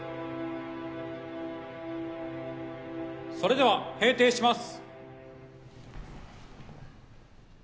それでは閉廷します。